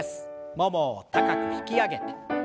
ももを高く引き上げて。